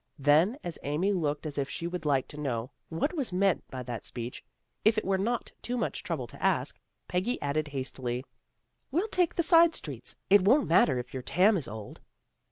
Then, as Amy looked as if she would like to know what was meant by that speech, if it were not too much trouble to ask, Peggy added hastily, " We'll take the side streets. It won't matter if your tarn is old."